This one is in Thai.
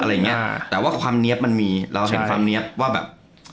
อย่างเงี้แต่ว่าความเนี๊ยบมันมีเราเห็นความเนี๊ยบว่าแบบ